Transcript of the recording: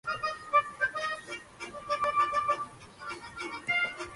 Ha escrito sobre temas relacionados con la prohibición.